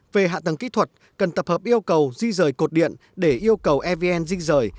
về hạ tầng kỹ thuật cần tập hợp yêu cầu di rời cột điện để yêu cầu evn di rời